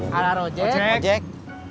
kamu mau jemput si ojak